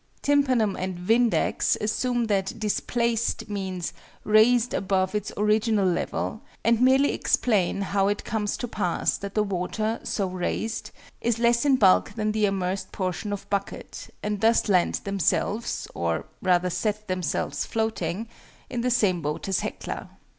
TYMPANUM and VINDEX assume that "displaced" means "raised above its original level," and merely explain how it comes to pass that the water, so raised, is less in bulk than the immersed portion of bucket, and thus land themselves or rather set themselves floating in the same boat as HECLA.